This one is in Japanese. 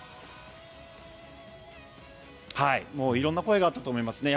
色んな声があったと思いますね。